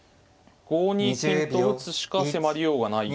５二金と打つしか迫りようがない。